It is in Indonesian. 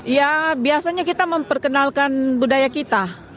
ya biasanya kita memperkenalkan budaya kita